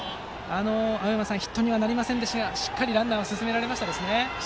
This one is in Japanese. ヒットにはなりませんでしたがしっかりランナーは進めましたね。